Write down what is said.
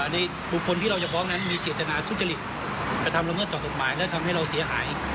ในบุคคลที่เราจะฟ้องนั้นมีเจตนาทุจริตกระทำละเมิดต่อกฎหมายและทำให้เราเสียหาย